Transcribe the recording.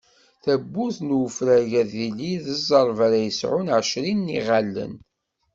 Tabburt n ufrag ad tili d ẓẓerb ara yesɛun ɛecrin n iɣallen.